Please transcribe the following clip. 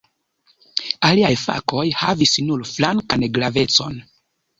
Aliaj fakoj havis nur flankan gravecon.